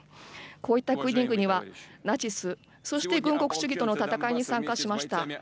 こういった国々はナチス、そして軍国主義との戦いに参加しました。